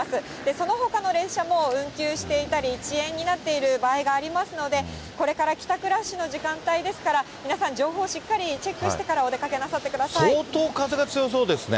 そのほかの電車も運休していたり、遅延になっている場合がありますので、これから帰宅ラッシュの時間帯ですから、皆さん、情報をしっかりチェックしてから、お出かけなさってください。